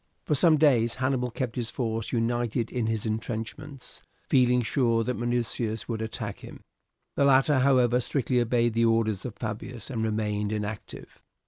For some days Hannibal kept his force united in his intrenchments, feeling sure that Minucius would attack him. The latter, however, strictly obeyed the orders of Fabius and remained inactive.